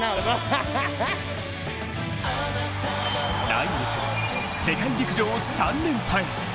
来月、世界陸上３連覇へ。